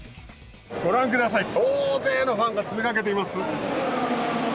ご覧ください、大勢のファンが詰めかけています。